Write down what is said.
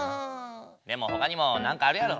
でもほかにもなんかあるやろ。